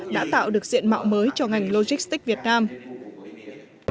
đã tạo được diện mạo mới cho ngành logistics việt nam